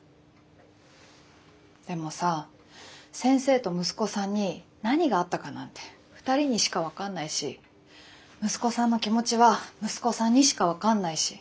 でもさ先生と息子さんに何があったかなんて２人にしか分かんないし息子さんの気持ちは息子さんにしか分かんないし。